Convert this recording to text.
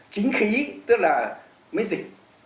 chính khí tức là miễn dịch